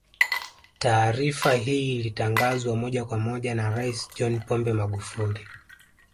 Taarifa hii ilitangazwa moja kwa moja na Rais John Pombe Magufuli